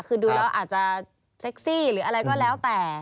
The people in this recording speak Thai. คือดูแล้วอาจจะเซ็กซี่หรืออะไรก็แล้วแต่